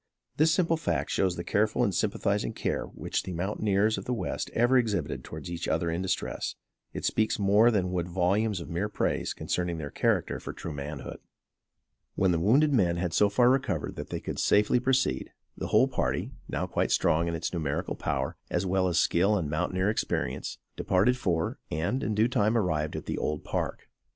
This simple fact shows the careful and sympathizing care which the mountaineers of the west ever exhibit towards each other in distress. It speaks more than would volumes of mere praise, concerning their character for true manhood. When the wounded men had so far recovered that they could safely proceed, the whole party, now quite strong in its numerical power, as well as skill and mountaineer experience, departed for, and, in due time, arrived at the Old Park.